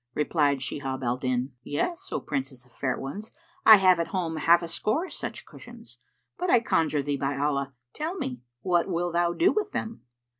Replied Shihab al Din, "Yes, O Princess of fair ones, I have at home half a score such cushions; but I conjure thee by Allah, tell me, what will thou do with them?"